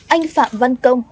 anh phạm văn công